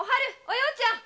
お葉ちゃん。